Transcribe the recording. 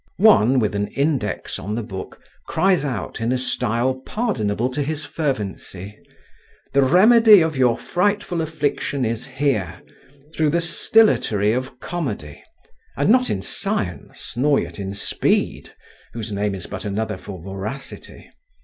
One, with an index on the Book, cries out, in a style pardonable to his fervency: The remedy of your frightful affliction is here, through the stillatory of Comedy, and not in Science, nor yet in Speed, whose name is but another for voracity.